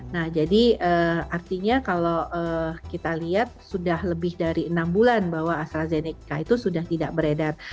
nah jadi artinya kalau kita lihat sudah lebih dari enam bulan bahwa astrazeneca itu sudah tidak beredar